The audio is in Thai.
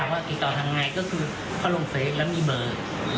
ว่ากี่ต่อทางไหนนั่นคือเขาลงเฟสและมีเบอร์